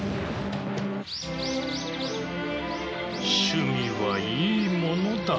趣味はいいものだ。